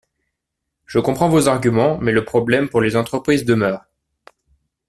Je comprends vos arguments, mais le problème, pour les entreprises, demeure.